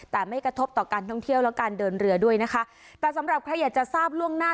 แต่ไม่กระทบต่อการท่องเที่ยวและการเดินเรือด้วยนะคะแต่สำหรับใครอยากจะทราบล่วงหน้า